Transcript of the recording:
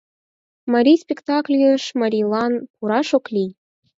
Марий спектакльыш марийлан пураш ок лий?